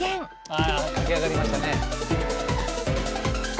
あ駆け上がりましたね。